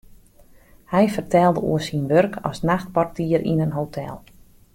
Hy fertelde oer syn wurk as nachtportier yn in hotel.